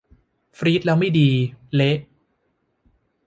ฟรีซแล้ว ไม่ดี เละ